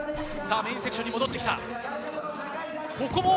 メインセクションに戻ってきた。